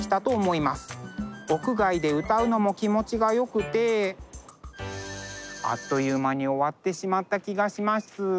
屋外で歌うのも気持ちがよくてあっという間に終わってしまった気がします。